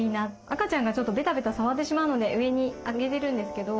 赤ちゃんがベタベタ触ってしまうので上に上げてるんですけど。